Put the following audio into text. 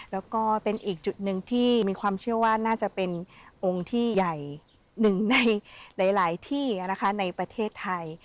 แล้วก็เป็นอีกจุดหนึ่งที่มีความเชื่อว่าน่าจะเป็นองค์ที่ใหญ่หนึ่งในหลายที่นะคะในประเทศไทย